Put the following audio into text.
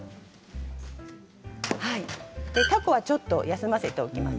たこはちょっと休ませておきます。